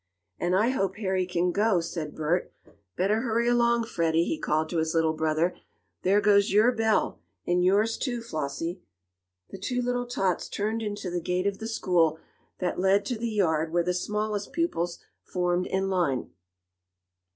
"And I hope Harry can go," said Bert. "Better hurry along, Freddie," he called to his little brother. "There goes your bell, and yours, too, Flossie." The two little tots turned into the gate of the school that led to the yard where the smallest pupils formed in line.